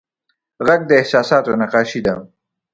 غږ د احساساتو نقاشي ده